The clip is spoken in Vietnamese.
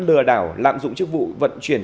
lừa đảo lạm dụng chức vụ vận chuyển